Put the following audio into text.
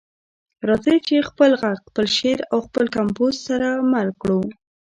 راځئ چې خپل غږ، خپل شعر او خپل کمپوز سره مل کړو.